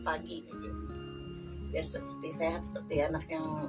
biar sehat seperti anak yang biasa deh normal